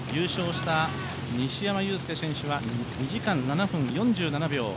優勝した西山雄介選手は２時間７分４７秒。